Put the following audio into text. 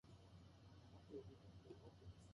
お里の便りも絶え果てた